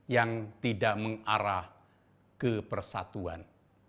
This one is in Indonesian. yang tidak mengarah ke persatuan